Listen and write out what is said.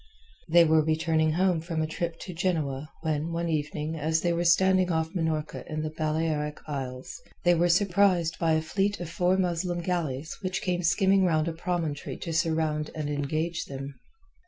They were returning home from a trip to Genoa when one evening as they were standing off Minorca in the Balearic Isles they were surprised by a fleet of four Muslim galleys which came skimming round a promontory to surround and engage them.